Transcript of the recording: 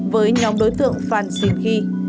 với nhóm đối tượng phan xìn khi